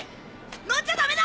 乗っちゃダメだ！